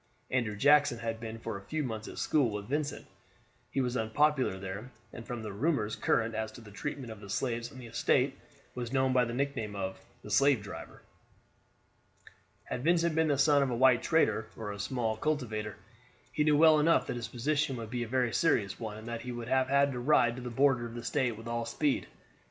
Andrew Jackson had been for a few months at school with Vincent; he was unpopular there, and from the rumors current as to the treatment of the slaves on the estate, was known by the nickname of the "slave driver." Had Vincent been the son of a white trader, or a small cultivator, he knew well enough that his position would be a very serious one, and that he would have had to ride to the border of the State with all speed.